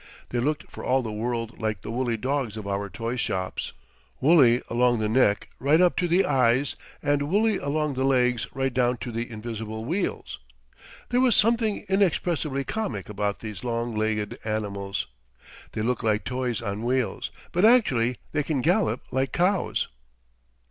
They looked for all the world like the "woolly dogs" of our toys shops woolly along the neck right up to the eyes and woolly along the legs right down to the invisible wheels! There was something inexpressibly comic about these long legged animals. They look like toys on wheels, but actually they can gallop like cows.